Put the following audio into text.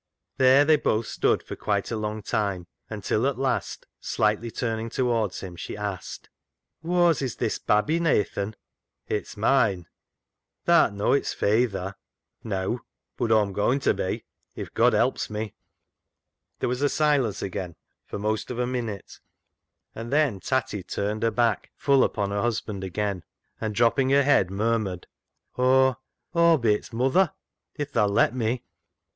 There they both stood for quite a long time, until at last, slightly turning towards him, she asked — TATTY ENTWISTLE'S RETURN 121 " Whoa's is this babby, Nathan ?"" It's moine." " Tha'rt no' it's fayther." " Neaw, bud Aw'm goin' ta be, if God helps me. There was silence again for most of a minute, and then Tatty turned her back full upon her husband again, and dropping her head, murmured —" Aw — Aw'll be its muther, if tha'll let me."